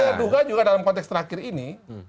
saya juga duga dalam konteks terakhir ini